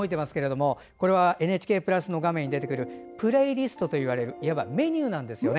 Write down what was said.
これは「ＮＨＫプラス」の画面に出てくるプレイリストといわれるいわばメニューなんですね。